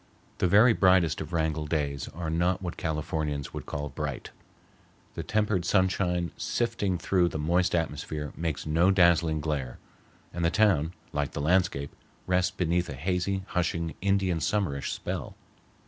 The very brightest of Wrangell days are not what Californians would call bright. The tempered sunshine sifting through the moist atmosphere makes no dazzling glare, and the town, like the landscape, rests beneath a hazy, hushing, Indian summerish spell.